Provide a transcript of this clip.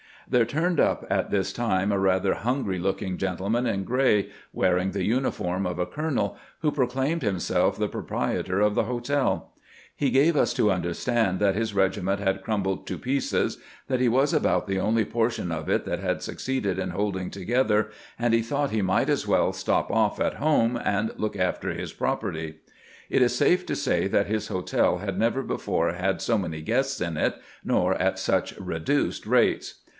There turned up at this time a rather hungry looking gentleman in gray, wearing the uniform of a colonel, who proclaimed himself the proprietor of the hotel. He gave us to understand that his regiment had crumbled to pieces ; that he was about the only portion of it that had succeeded in holding together, and he thought he might as well " stop off " at home and look after his property. It is safe to say that his hotel had never before had so many guests in it, nor at such reduced rates.